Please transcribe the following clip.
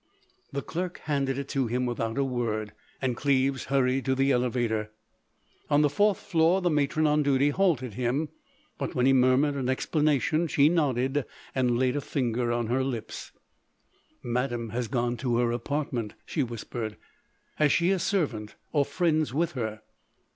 The clerk handed it to him without a word; and Cleves hurried to the elevator. On the fourth floor the matron on duty halted him, but when he murmured an explanation she nodded and laid a finger on her lips. "Madame has gone to her apartment," she whispered. "Has she a servant? Or friends with her?"